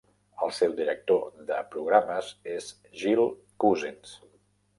El seu director de programes és Jill Cousins.